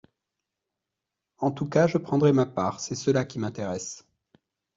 En tout cas, je prendrai ma part, c’est cela qui m’intéresse.